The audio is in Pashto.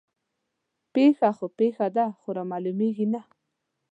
پيښه خو پيښه ده خو رامعلومېږي نه